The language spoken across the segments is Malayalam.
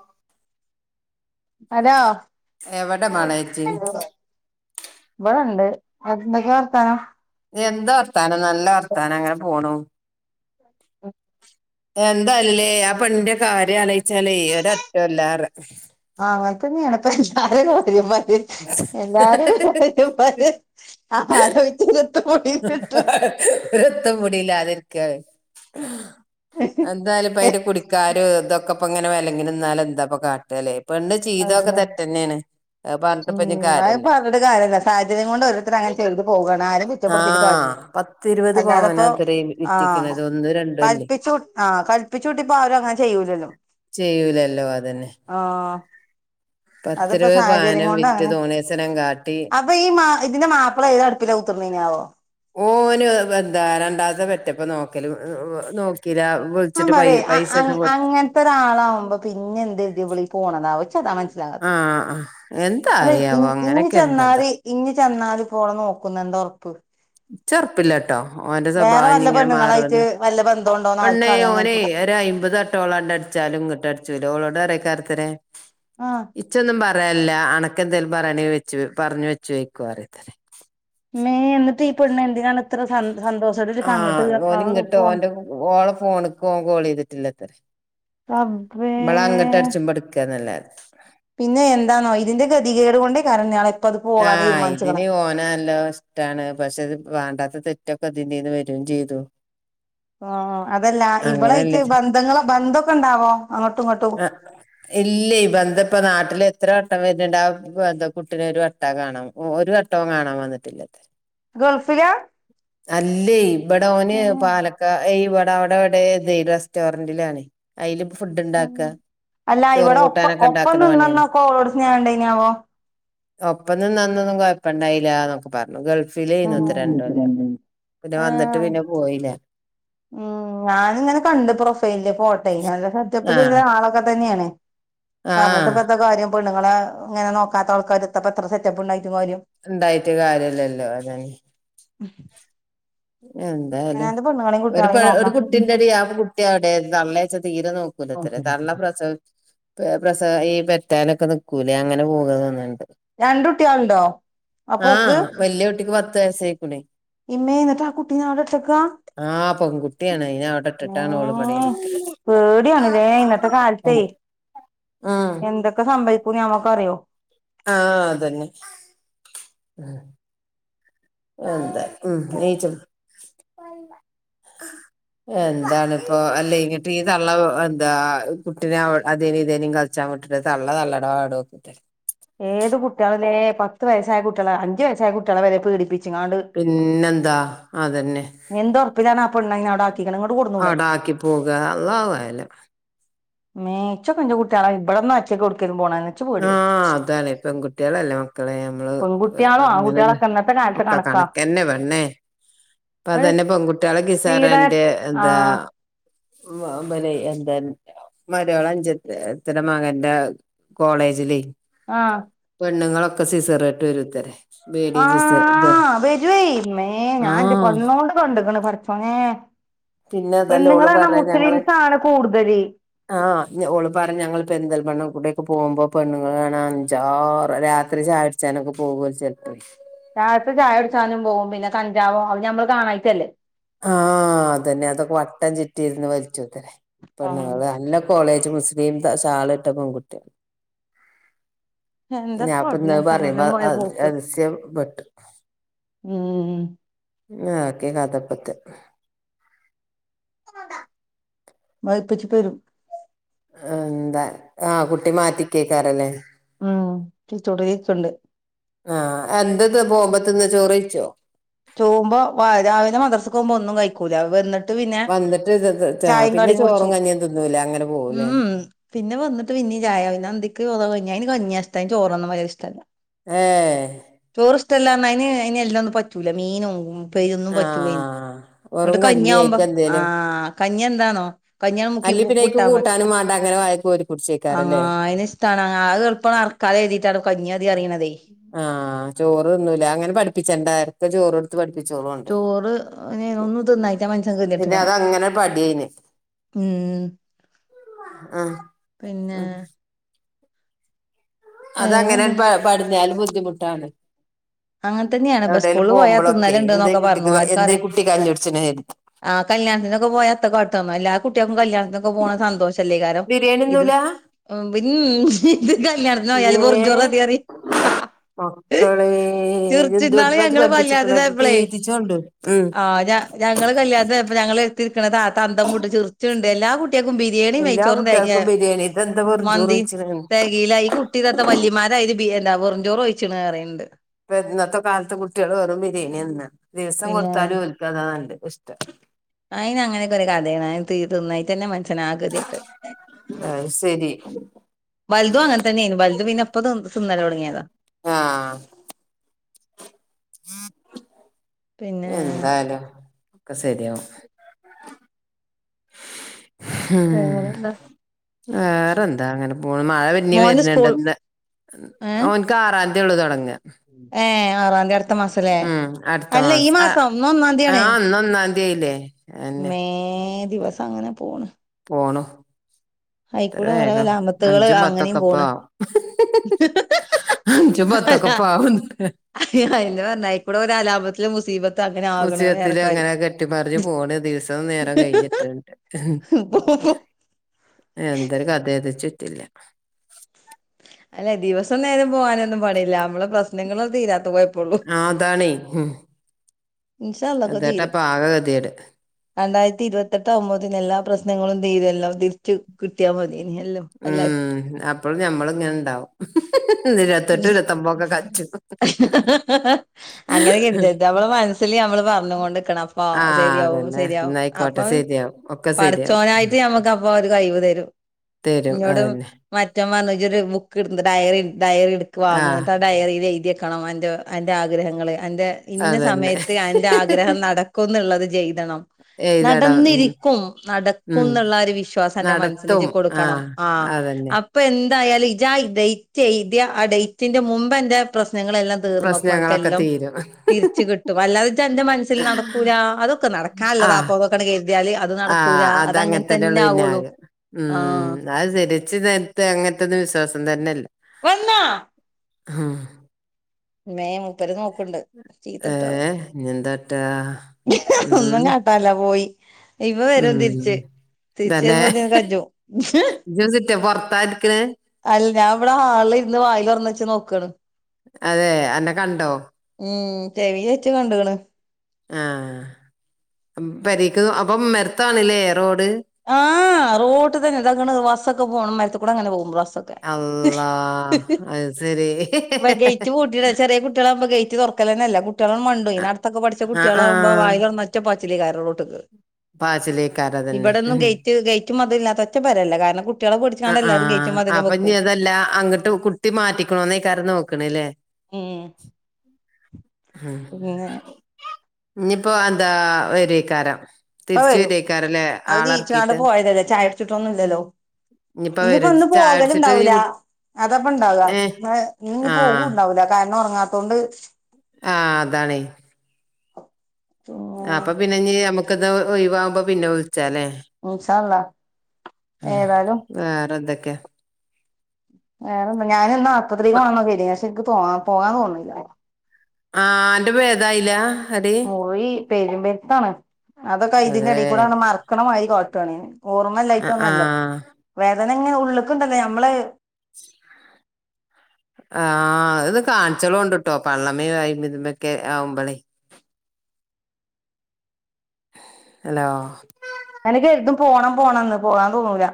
ആഹ് ഹലോ ഇവിടെണ്ട് എന്തൊക്കെ വർത്താനോ എന്ത് വർത്താനം നല്ല വർത്താനം അങ്ങനെ പോണു ആഹ് എന്തല്ലേ ആഹ് പെണ്ണന്റെ കാര്യം ആലയിച്ചാല ഒര അറ്റല്ലാറ ആങ്ങന തന്നെയണപ്പ എല്ലാരും കാര്യം പറ എല്ലാരും [unintelligible] [unintelligible] ആലോയ്ച്ച [unintelligible] [unintelligible] ഒരു എത്തും പിടിലാതിരിക്ക എന്തായാലും ഇപ്പ അതിന്റെ കുടിക്കാാരും ഇതൊക്കെ ഇപ്പ ഇങ്ങനെ വലങ്ങിനന്നാലും എന്താപ്പ കാട്ടലേ പെണ്ണ് ചയ്തൊക്കെ അതന്നെ തെറ്റന്നെയാണ് അത് പറഞ്ഞിട്ട് ഇപ്പൊ ഇനി ഉം കാര്യമില്ല അത്പ്പറഞ്ഞിട്ട് കാര്യല്ല സാഹചര്യം കൊണ്ട് ഓരോരുത്തര അനെ ചെയ്ത് പോവാണ് ആരേം കു റ്റപ്പെടുത്തിട്ട് ആഹ് കാര്യല്ല പത്തിരുപത് പവനാ അല്ലാതപ്പോ അത്രേ ആഹ് വിറ്റിക്കണത് ഒന്നും രണ്ടും അല്ലേ കൽപ്പിച്ചു ആ പ്പിച്ചിട്ടിപ്പ ആരും അങ്ങനെ ചെയ്യൂല്ലല്ലോ ചെയ്യൂലല്ലോ അതന്നെ ആഹ് പത്ത് രൂപ പാനം വിറ്റ് തോന്നീസനം കാട്ടി അപ്പ ഈ ഇതിന്റെ മാപ്പിള ഏത് അടുപ്പിൽ ഉത്തുന്നനാവോ ഓന് എന്താ രണ്ടാമത്തെ പറ്റപ്പോ നോക്കല് നോക്കി ആഹ് പറയ അങ്ങനത്തെ ഒരാളാവകുമ്പോ പിന്നെ എന്ത് ഇതി വിളി പോണതാവച്ചതാ മനസ്സിലാ ആഹ് ആഹ് എന്താ അല്ലെ ഇ ഇനി ചെന്നാല് ഇഞ്ഞ് ചെന്നാൽ ഇ പോള നോക്കുന്നു എന്താ ഉറപ്പ് ഇനിചെറുപ്പില്ലട്ടോ ഓന്റെ വേറെ സ്വഭാവം വല്ല ഇങ്ങനെ പെണ്ണുങ്ങളായിട്ട് മാറുംന്ന് വല്ല ബന്ധംണ്ടോ പെണ്ണേ ഓനെ ഒര് അയമ്പത് തട്ടോളം അടുത്ത് ട്ടടിച്ചോട് [unintelligible] അറക്കെ ആഹ് ഇച്ചൊന്നും പറ അയല്ല അനക്കെന്തേലും പറയണ വെച്ച് പറഞ്ഞഞ് വെച്ച് വെക്കവാ അറിയെ ഇമേ എന്നിട്ട് പെണ്ണ് എന്തിനാണ് ഇത്ര സ സന്തോഷം ആഹ് ഓൻ ഇങ്ങിട്ട് ഓന്റെ ഓളെ ഫോണക്ക് ഓൻ കോൾ ചെയ്തിട്ടില്ലത്ര [unintelligible] ഇമ്മള അങ്ങട്ട അടച്ചുംപ എടുക്കുക നല്ല പിന്നെ എന്താണോ ഇതിന്റെ ഗതികേട്കൊണ്ടേ കാരണം നെ ആഹ് ഇതിന് ഓനല്ല ട്ടാണ് പക്ഷെത് വേണ്ടാത്ത തെറ്റൊക്കെ അതിന്റെന്ന് വരയും ചെയ്തു ഓ അതല്ല ഇവിടെ അങ്ങനെയല്ലേ ഇച്ച ബന്ധങ്ങള ബന്ധൊക്കെ ഉണ്ടാവൊ അങ്ങോട്ടും ഇങ്ങോട്ടും [unintelligible] ഇല്ല ഇ ബന്ത ഇപ്പ നാട്ടില് എത്ര വട്ടം വരുന്നുണ്ട് ആഹ് ബന്ത കുട്ടിനെ ഒരു വട്ട കാണാം ഓ ഒരു വട്ടവും കാണാൻ വന്നിട്ടില്ല ഗൾഫില [inaudible] അല്ലേ ഇവിടെ ഓന് ഉം പാലക്കാ ഇവിടെ അവിടെ ഇവിടെ ഇത് റെസ്റ്റോറന്റിലാണ് അതില ഇ ഫുഡ്ണ്ടാക്കും ഉം അല്ല ഇവിടെ ഒപ്പം ഒപ്പം പണിയാണ് നിന്നന്നോക്കോ ഓരോട് സ്ണ്ടേനാവോ ഒപ്പം ന്നു നിന്നന്നും കൊപ്പ ഇണ്ടായില്ല പറഞ്ഞു ഗൾഫിൽ ഇന്നത്ര രണ്ടല്ലോ പിന്നെ വന്നിട്ട് ഏഹ് പിന്നെ പോയില്ല ഉം ഞാാനിങ്ങനെ കണ്ട് പ്രൊഫൈലില് ഫോട്ടോ നല്ല ആഹ് സെറ്റപ്പിലള്ളരാളൊക്കെ തന്നെയാണ് പറഞ്ഞിട്ട് ആഹ് ഇപ്പഴത്തെ കാര്യം പെണ്ങ്ങളെങ്ങെ നോക്കാത്ത ആൾക്കാർത്തപ്പോ എത്ര സെറ്റപ്പ് ഉണ്ടായിരിക്കും കാര്യം ണ്ടായിട്ട് കാര്യല്ലല്ലോ അതെ [unintelligible] [unintelligible] എന്തായാലും അവനാന്റെ പെണ്ണുങ്ങളെയും ഒരു പെ കുട്ടികളെയും ഒരു നോക്കാം കുട്ടിന്റെടി ആ കുട്ടി അവ്ടെ തള്ളേച്ച തീരെ നോക്കൂലത്തെരെ തള്ള പ്രസവ പേ പ്രസ ഈ പെറ്റാലൊക്കെ നിക്കൂലേ അങ്ങനെ പോകാതോന്ന്ണ്ട്. രണ്ട് കുട്ടികളുണ്ടോ അപ്പോക്ക് ആഹ് വെല്യ കുട്ടിക്ക് പത്ത് വയസായി ക്കുണേ ഇമ്മേ ന്നട്ടാകുട്ടിനെ ആടെട്ടക്കാ ആഹ് പെൺകുട്ടിയാണ് അയിന അവടെട്ട്ട്ടാണ് ഓള് വടെ [unintelligible] പേടിയാണ് ലേ ഇന്നത്തെ കാലത്തേയ് ആഹ് എന്തൊക്കെ സംഭവിക്കൂന്ന് ഞമ്മക്ക് അറിയോ ആഹ്, അതന്നെ. ഉം എന്ത ഉം [unintelligible] എന്താന്നിപ്പോ അല്ലെയ് ഇങ്ങിട്ട് ഈ തള്ള എന്താ കുട്ടിനെ അ അതേ നീ ഇതേനി കസ് യവ്ട്ടട്ടെ തള്ള തള്ളടപാടോക്കട്ടെ ഏത് കുട്ട്യളിലേ പത്ത് വയസ്സായ കുട്ട്യളെ അഞ്ചു വയസ്സായ കുട്ടികളെ വരെ പീഡിപ്പിച്ചിങ്ങാണ്ട് പിന്നെന്താ അതെന്നെ. എന്തൊർപ്പിലാണാ പെണ്ണയ്നവ്ടാക്കി ക്കിക്ക് ണ്ങ്ങട്ട്കൊട് അടാക്കി പോകാ അള്ളാഹു അഹ് ലം മ്മേ ഇച്ചൊക്കെ ൻ്റെ കുട്ട്യേളെ ഇബട്ന്നൊറ്റക്ക് ഒട്ക്കേലും പോണേന്നെ ആഹ് അതാണ് പെൺകുട്ട്യേളല്ലേ മക്കളേ ഞമ്മള് പെൺകുട്ടികളും ങ്ങനെന്നെ ആൺകുട്ടികളൊക്കെ ഇന്നത്തെ കാലത്ത് ഒക്കെ കണക്കാ കണക്കെന്നെ പെണ്ണേ പ്പ ഏഹ് അതന്നെ പീഡന പെൺകുട്ടികളക്കിസാറൻ്റെ ന്താ ആഹ് ഉം ആ മ്പലേ എന്താ മര്യോളഞ്ച എത്ര മകന്റെ കോളേജിലേയ് ആഹ് പെണ്ണുങ്ങളൊക്കെ സിസറാട്ട് വരുത്തരെ ആഹ് വെരൊയ് മ്മേ ഞാൻന്റെ കൊ ആഹ് ണോണ്ട് കണ്ട്ക്ക്ണ് പടച്ചോനേ പിന്നെ അതല്ലേ ഓള് പെണ്ണുങ്ങളാണാ പറയാ ഞങ്ങള് മുസ്ലിംസാണ് കൂടുതല് ആഹ് ഞ ഓള് പറഞ്ഞ ഞങ്ങൾ പെരുന്തൽ മണ്ണ ഫുഡെയ്ക്കു പോകുമ്പോ പെണ്ണുൾ കാണ അഞ്ചാറ് രാത്രി ചായട് ച്ചാനൊക്ക പോകു ചെൽപ്പേയ് തായത്ത് ചായുട്ച്ചാനും പോവും പിന്നെ കഞ്ചാവോ അത് ഞമ്മള് കാണായിട്ടല്ലേ ആഹ്, അതന്നെ അതൊക്കെ വട്ടം ചിറ്റിര്ന്ന് വൽച്ചുത്തരെ പെണ്ണുങ്ങള് അല്ല കോളേജ് മുസ്ലിം ശാള്ട്ട പെൺകുട്ടി എന്താ ഞാൻപ്പന്നത് പറീമ്പ കാലം പോയ അത്സ്യ പോക്ക് അത്സ്യപ്പെട്ട് ഉം. [unintelligible] ക്കീ കഥപ്പത്തെ വയപ്പച്ചി പ്പേരും എന്താ ആഹ് കുട്ടി മാറ്റിക്കേക്കാരല്ലേ ഉം, [unintelligible] ആഹ്, എന്തത് പോമ്പത്ത്ന്ന് ചോറെയ്ച്ചോ? ചോവുമ്പോ വാ രാവിലെ മദർസ്ക്കോവുമ്പോ ഒന്നും കഴിക്കൂല, വന്ന് ട്ട് പിന്നെ വന്നിട്ട് ഇത് ഇത് ചായും പിന്നെ കടിം ചോറും കുട്ച്ചും. കഞ്ഞിയും തിന്നൂല അങ്ങനെ ഉം പോവൂലേ ഉം പിന്നെ വന്നിട്ട് പിന്നീ ചായ പിന്നെ അന്തിക്ക് [unintelligible] കഞ്ഞ്യാ അയ്ന് കഞ്ഞ്യാ ഇഷ്ടം അയ്ന് ചോറൊന്നും [unintelligible] ഇഷ്ടല്ല ഏഹ് ചോറ് ഇഷ്ടല്ലാന്ന് അയിന് അയിന് എല്ലാം ഒന്നും പറ്റൂല മീനുംഒന്നും ഇപ്പൊയിതൊന്നും പറ്റൂലെ ആഹ് വെറും ന്നിട്ട് കഞ്ഞി കഞ്ഞിആവുമ്പോ അയിക്ക് ആ എന്തേലും കഞ്ഞി എന്താന്നോ കഞ്ഞിയെണ്ട് മുക്കി പുക്കുട്ടാമതി അത് കോരികുടിചേക്ക് ആ അയ്നിഷ്ടാണ് അത് എളുപ്പണ്ട് അർക്കാലോ കരുതിയിട്ടാണ് കഞ്ഞി മതി പറിയണതേ ആ ചോറ് തിന്നൂല്ല അങ്ങനെ പഠിപ്പിച്ചണ്ടാ ഇപ്പൊചോറ് കൊടുത്ത് പഠിപ്പിച്ചോളൊണ്ട് ചോറ് ഒന്നും തിന്നായിട്ടാ മനുഷ്യൻ പിന്നെ ഗതികെട്ട്ക്കണെ അതങ്ങനെ പടിഅയിന് ഉം ആ പിന്നെ വേറെന്താ അതങ്ങനെണ്ട് പ പഠിഞ്ഞാലും ബുദ്ധിമുട്ടാണ് അങ്ങനെ തന്നെയാണ് ഇപ്പ എവിടേലും സ്കൂളിൽ പോയാ പോകുമ്പോളൊക്കെ എന്തേ തിന്നലുണ്ട്ന്നൊക്കെ പറഞ്ഞു കുട്ടിക്ക് എന്തേ ആർക്കറിയാം കുട്ടി കഞ്ഞുടിച്ചണെ ആ കല്യാണത്തിനൊക്കെ പോയ എത്ത കാട്ടാന്നൊ എല്ലാ കുട്ടികൾക്കും കല്യാണത്തിനൊക്ക പോണം സന്തോഷ ത്തില്ലേകാരം ബിരിയാണി ഇത് തിന്നൂല ഒ പിൻ ഇത് കല്യാണ് ത്തിന് പോയാല് വെറുംചോറ് ഏഹ് മതിഅറി മക്കളേ ഇതെന്ത് പഠിപ്പ ഇജ്ജ് ഞങ്ങള് കല്യാണത്തിന് പഠിപ്പിച്ചിക്കണത് പോയപ്പളേ തീറ്റച്ചോണ്ട് ആ ഞ ഞങ്ങള് കല്യാണത്തിന് പോയപ്പോ ഞങ്ങള് എര്ത്തിരിക്കണ താത്ത അന്തം വിട്ട് ചിറിച്ചുണ്ട് എല്ലാ കു കുട്ടിയെക്കും ബിരിയാണിയും എല്ലാ നെയ്ചോറും കയിഞ്ഞ കുട്ടികൾക്കും ബിരിയാണി ഇതെന്താ വെറും ചോറ് മന്തി വെയ്ച്ച്ണ് തെകില്ല ഈ കുട് ട്ടിഇതെന്താ വല്യമാരായിരി ബിരി എന്താ വെറുംചോറോയ്ച്ച്ണ് പറയിണ്ട് ഇപ്പൊ ഇന്നത്തെ കാലത്ത് കുട്ടികള് വെറും ബിരിയാണി തിന്നാ ദിവസം പിന്നെ കൊടുത്താലും ഓൾക്കതാ നല്ല ഇഷ്ടം അയിന് അങ്ങനൊക്കെ ഒരു കഥെണ് തീ തിന്നായിട്ടെന്നെ മന്ഷ്യന്ആ ഗതികെട്ടു അഹ് സെരി വലുതും അങ്ങൻതന്നേരുന്നു വലുത് പിന്നെപ്പൊ തി തിന്നല് തൊടങ്ങിയതാ ആഹ് പിന്നെ എന്തായാലും ഒക്കെ സെരിയാവും ഹും വേറെന്താ വേറെന്താ അങ്ങനെ പോണ് മഴ പിന്നി മോന് വരണുണ്ട് സ്കൂൾ എന്താ ഏ ഓൻക് ക്കാറാന്തിയൊള്ളു തൊടങ്ങ ഏ ആറാന്തി അടു ത്ത മാസല്ലേ അടുത്ത അല്ല ഈ ആഹ് മാസം ഇന്ന് ഒന്നാംതിയാണ് ആഹ് ഇന്ന് ഒന്നാംതി ആയില്ലേ അതെന്നെ മ്മേ ദിവസങ്ങനെ പോണ് പോണു എത്ര അയിക്കൂടെ ഓരോ വേഗം അലാമത്തുകള് അഞ്ചുംപത്തൊക്കെ അങ്ങനെയും ഇപ്പം പോണ് ആകും അഞ്ചുംപത്തുഒക്കെ ഇപ്പം ആവുന്ന് അയ്യോ അയന്നെ പറഞ്ഞെ അയ്ക്കൂടെ ഒരു അലാപത്തിലും മുസീബ ത്ത് അങ്ങനെ ആകണ് വേറെ മുസിയത്തില് കാര്യം അങ്ങനെ കെട്ടിപ്പറിഞ്ഞ് പോണ് ദിവസവും നേരം കഴിഞ്ഞിട്ടുണ്ട് [unintelligible] എന്തൊര് കഥേത് ഇച്ചുറ്റില്ല അല്ലേ ദിവസം നേരം പോകാനൊന്നും പണില്ല നമ്മള് പ്രശ്നങ്ങള് തീരാത്ത കൊയപ്പൊള്ളൂ ആതാണേ ഹും ഇന്ഷാഅള്ളാ ഒക്കെ തീരും ആകെ ഗതികേട് രണ്ടായിരത്തി ഇരുപത്തെട്ട് ആവുമ്പത്തിന് എല്ലാ പ്രശ്നങ്ങളും തീരും എല്ലാം തിരിച്ചു കിട്ടിയാൽ മതിയെനു എല്ലും ഉം അപ്പൊളും ഞമ്മളിങ്ങനെണ്ടാവും അങ്ങന കെര്തരുത് അമ്മള് മന സില് നമ്മള് പറഞ്ഞ് കൊണ്ടിക്കണം അപ്പൊ ആ ശരിയാവും അതന്നെ ശരിയാവും അപ്പൊ എന്നായിക്കോട്ടെ അത് ശരിയാവും ഒക്കെ ശരിയാവും പഠിച്ചോനായിട്ട് ഞമ്മക്ക് അപ് പൊരു കയിവ് തരും തരും ഇന്നോട് അതന്നെ മറ്റോം പറഞ്ഞുഇജ്ജ് ഒരു ബുക്ക് ഇട് ഡയറി ഡയറി എടുക്ക ആ വാങ്ങിട്ട് ആഹ് ഡയറിൽ എഴുതിവക്കണം അന്റെ അന്റെ ആഗ്രഹങ്ങള് അന്റെ ഇന്ന അതന്നെ സമയത്ത് അതിന്റെ ആഗ്രഹം നടക്കും എന്നുള്ളത് ചെയ്തണം എഴുതടം ഉം നടന്നിരിക്കും നടക്കും ഉം എന്നുള്ള ഒരു വിശ്വാസം എന്റെ നടത്തും മനസ്സിന്ക്ക് ആ കൊടുക്കണം ആഹ് അതന്നെ അ പ്പൊ എന്തായാലും ഇജ്ജ് ആഹ് ഡേറ്റ് എയ്തിയ ആഹ് ഡേറ്റിന്റെ മുമ്പ് എന്റെ പ്രശ്നങ്ങളൾ എല്ലാം തീർന്നുക്കോ പ്രശ്നങ്ങളൊക്കെ അൻക്കെല്ലാം തീരും തിരിച്ച് കിട്ടും അല്ലാതെ ജ്ജ് അന്റെ മനസ്സില് നട്ക്കൂല അതൊക്കെ ആ നടക്കാള്ളതാപ്പം ന്നൊക്കെ കെര് ആഹ് അതങ്ങെൻത്തന്നെള്ളൂ പിന്നെ ആവുള്ളൂ ആകെ ആഹ് ഉം അത് സെരിയാ ച്ച് നേര്ത്തെ അങ്ങൻത്തെത് വിസ്വാസം തന്നെൽ വന്നോ ആഹ് ഇമേ മൂപ്പര് നോക്ക്ണ്ട് ചീത്തട്ടോവം ഏഹ് ഇഞ്ഞെന്താട്ടാ [unintelligible] ഒന്നും ഉം കാൺ ണ്ല പോയി ഇപ്പ വരും തിരിച്ച് ഉം തന്നെ തിരിച്ചെരുമ്പോത്തിന് കജ്ജും [unintelligible] ഇജ് സിറ്റ പൊറത്താ ഇരിക്കണെ അൽ ഞാൻ ഇവടെ ഹാളിലിര്ന്ന് വായിലൊറ്ന്നച്ച് നോക്കാണ് അതെ അന്നെ കണ്ടോ ഉം ചെവിലെച്ച് കണ്ട്ക്ണ് ആഹ് ഉം പരീക്ക് അപ്പം ഉമ്മറ്ത്താണ് ലെ റോഡ് ആഹ് റോട്ട് തന്നെ തക്ക്ണ് ബസ്സൊക്കെ പോണ് ഉമ്മര്ത്കൂടെ ഇങ്ങനെ പോവും ബസ്സ് അള്ളാ [unintelligible] അത് ശരി വ ഗൈറ്റ് പൂട്ടിയളാ ചെറിയ കുട്ട്യേൾ ആവുമ്പോ ഗൈ ഗൈറ്റ് തൊറ്ക്കലന്നല്ല കുട്ട്യേളാണ്ട് മണ്ടോ അഹ് നട്ത്തൊക്കെ പട്ച്ച ആഹ് കുട്ട്യേൾ ആവുമ്പേ ആഹ് വായിലൊറ്ന്നറ്റ പാച്ചിലയ്ക്കാരം റോട്ട്ക്ക് പാച്ചില് ഇബടൊന്നും ഗൈറ്റ് ഗെയ്റ്റും മത് ലുല്ലാ ത്ത ഒറ്റ പെരല്ല കാര്ണം കുട്ട് വെ ആഹ് ആഹ് അപഞ്ഞതല്ല അങ്ങട്ട് കു ട്ടി മാറ്റിക്ക്ണോന്നെയ്‌ക്കാരം നോക്ക്ണ് ഇല്ലേ ഉം അഹ് പിന്നെ ഇഞ്പ്പ അതാ വരൊയ്ക്കാരം ഇപ്പ വരും അഹ് നീച്ചാണ്ട് പോയതല്ലേ ചായൊട് ച്ച്ട്ടൊന്നുല്ലല്ലോ ഇനിയിപ്പ ഇന്പ്പ വരും ഇന്ന് ചായ പോകല് കുടിച്ചിട്ട് ഈ ഇണ്ടാവൂല കു അതാപ്പ ഇണ്ടാവ ഏ ഏഹ് ഇന്ന് ഇനി ആഹ് പോക്ണ്ടാവൂല്ല കാര്ണം ഒർങ്ങാത്തോണ്ട് ആഹ് അതാണെ പിന്നെ അപ്പ പിന്നെ ഇനി നമ്മക്കിത് ഒഴിവാവുമ്പോ പിന്നെ വിള്ച്ചാലേ ഇന്സാ അല്ലാഹ് ഉം വേറെന്തെക്കെ വേറെന്ത ഞാന് ഇന്ന് ആശ്പത്രിക്കോണന്നൊക്കെര്തീനി പക്ഷെ എനിക്ക് പോവാ പോവാൻ തോന്ന്ല്ലാ ആഹ് അന്റെ ഭേദായില പോയി പെരുമ്പര്ത്താണ് അതൊക്കെ അയ്തിന്റെ അതേ എടി കൂടാണ്ട് മറ്ക്ക്ണ മാതിരി കാട്ടാണ് ഞാൻ ആഹ് ഓർമ്മല്ലായിട്ടൊന്നല്ല ആഹ് വേദന ഇങ്ങനെ ഉള്ള്ക്ക്ണ്ടല്ലോ ഞമ്മള് ആഹ് അത് കാൺച്ചളോണ്ടുട്ടോ പള്ളമെ വായ് മിത് മെക്കെ ആവ്മ്പളെ ഹലോ ഇങ്ങനെ കെര്തും പോണം പോണംന്ന് പോകാ തോന്നൂല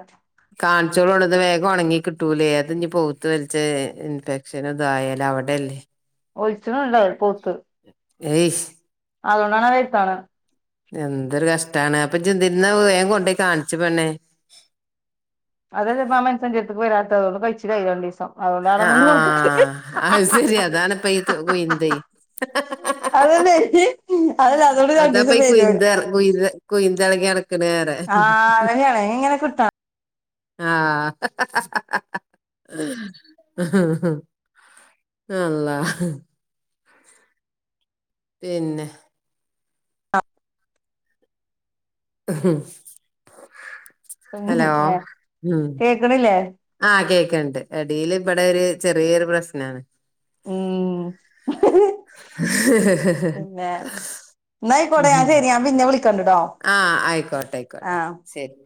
കാൺച്ചോളുണ്ടുത് വേഗം ഒണങ്ങി കിട്ടൂലേ അത് ഇഞ്ഞ് പൗത്ത് വല്ച്ച് ഇൻഫെക്ഷൻ ഒക്കെ ആയാലവ്ടെല്ലേ ഒഴിച്ണ്ണ്ടേ പൗത്ത് ഏയ്‌ഷ് അതോണ്ടാണെ വര്ത്താവ്ണേ എന്തൊരു കഷ്ടാണ് അപ്പ ജ്ജെ ന്തി ര്ന്നാ വേം കൊണ്ടോയി കാണ്ച്ച് പെണ്ണെ അതെല്ലേ പ്പ ആ മെൻസൻ ന്റെര്ത്ത്ക്ക് വരാത്തെ അതോണ്ട് കയ്ച്ചിലായി രണ്ടീസം. അതോണ്ടാണെന്ന് [unintelligible] അഹ് സെരി അതാണ്പ്പയിത് കുയിന്തെ അതല്ലേ അതല്ല അതുകൊണ്ട് അതാപ്പ രണ്ടീസം ഈ വരും കുയ്‌ന്ത്‌ കുയ്‌ന്ത്‌ കുയ്‌ന്തളകി നട ക്ക്ണെറേ ആ അതന്നെയാണ് ഇങ്ങനെ കിട്ടണം ആഹ് അള്ളാ പിന്നെ ഹലോ ഉം കേക്കണില്ലേ ആഹ് കേക്ക്ണ്ട് എടേല് ഇബടെ ഒര് ചെറിയൊരു പ്രശ്നാണ് ഉം പിന്നെ എന്നായിക്കോട്ടെ ഞാൻ ശരി ഞാൻ പിന്നെ വിളിക്കണ്ട്ട്ടോ ആഹ് ആയിക്കോട്ടെ ആ ആയിക്കോട്ടെ ശരി